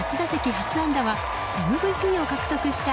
初安打はＭＶＰを獲得した